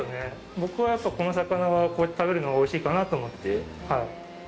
僕はやっぱりこの魚はこうやって食べるのがおいしいかなと思って。